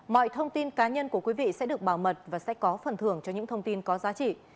mọi thông tin cá nhân của quý vị sẽ được bảo mật và sẽ có phần thưởng cho những thông tin có giá trị